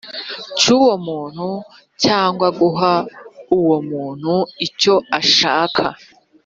cy uwo muntu cyangwa guha uwo muntu icyo ashaka